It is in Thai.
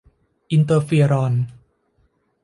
อินเตอร์เฟียรอน